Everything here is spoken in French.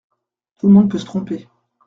Tout le monde peut se tromper.